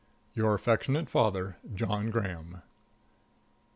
Your affectionate father, JOHN GRAHAM.